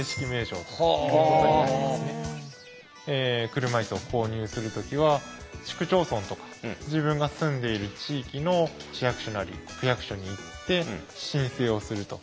車いすを購入する時は市区町村とか自分が住んでいる地域の市役所なり区役所に行って申請をすると。